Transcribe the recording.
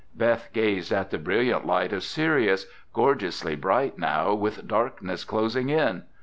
Beth gazed at the brilliant light of Sirius, gorgeously bright now with darkness closing in.